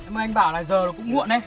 mà anh bảo là giờ nó cũng muộn đấy